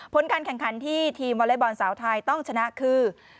ผลการแข่งขันที่ทีมวอเล็กบอลสาวไทยต้องชนะคือ